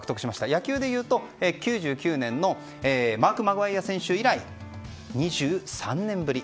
野球でいうと９９年のマーク・マグワイア選手以来２３年ぶり。